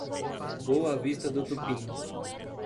Boa Vista do Tupim